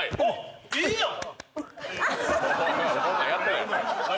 いいやん。